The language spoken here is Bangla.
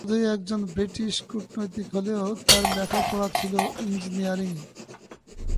আনোয়ার চৌধুরী একজন ব্রিটিশ কূটনীতিক হলেও তার লেখা পড়া ছিল ইঞ্জিনিয়ারিং এ।